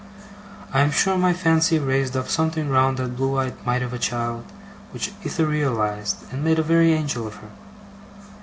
I am sure my fancy raised up something round that blue eyed mite of a child, which etherealized, and made a very angel of her.